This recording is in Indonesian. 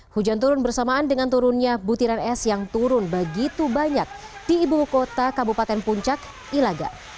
hujan turun bersamaan dengan turunnya butiran es yang turun begitu banyak di ibu kota kabupaten puncak ilaga